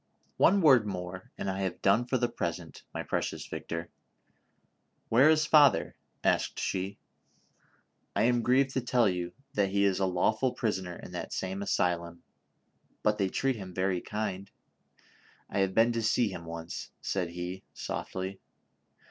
One word more, and I have done for the present, my precious Victor. AVhere is father V" asked she. " I am grieved to tell you that he is a lawful prisoner in that same asylum, but they treat him very kindly ; I have been to see him once," said he, softly.